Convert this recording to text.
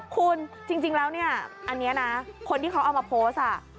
คุณจริงแล้วเนี่ยอันนี้นะคนที่เขาเอามาโพสต์